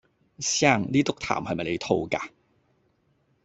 先生，呢篤痰係唔係你吐㗎？